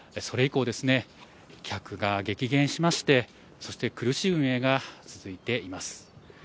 それ以降、客が激減しまして、そして苦しい運営が続いています。